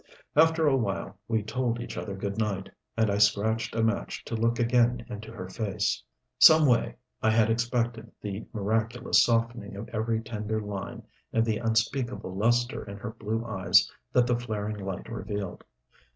After a while we told each other good night, and I scratched a match to look again into her face. Some way, I had expected the miraculous softening of every tender line and the unspeakable luster in her blue eyes that the flaring light revealed.